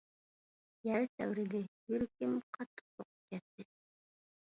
يەر تەۋرىدى، يۈرىكىم قاتتىق سوقۇپ كەتتى.